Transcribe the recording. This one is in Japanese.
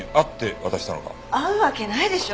会うわけないでしょ